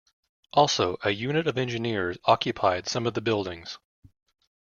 Also, a unit of engineers occupied some of the buildings.